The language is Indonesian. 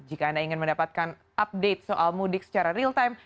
jika anda ingin mendapatkan update soal mudik secara real time